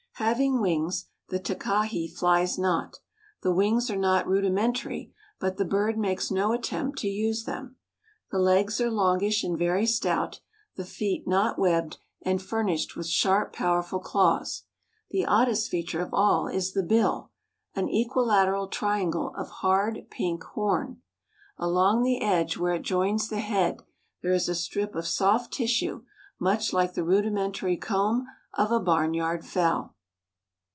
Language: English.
Having wings, the takahe flies not. The wings are not rudimentary, but the bird makes no attempt to use them. The legs are longish and very stout, the feet not webbed, and furnished with sharp, powerful claws. The oddest feature of all is the bill, an equilateral triangle of hard pink horn. Along the edge, where it joins the head, there is a strip of soft tissue much like the rudimentary comb of a barn yard fowl.